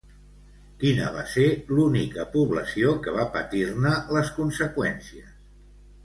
Quina va ser l'única població que va patir-ne les conseqüències?